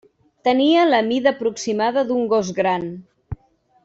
Tenia la mida aproximada d'un gos gran.